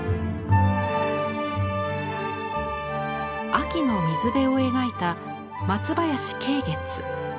秋の水辺を描いた松林桂月。